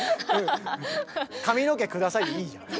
「髪の毛下さい」でいいじゃん。